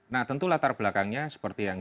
nah tentu latar belakangnya seperti yang